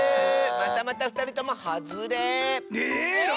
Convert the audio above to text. またまたふたりともハズレ！え